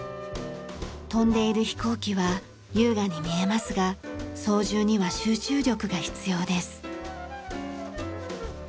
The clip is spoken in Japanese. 飛んでいる飛行機は優雅に見えますが操縦には集中力が必要です。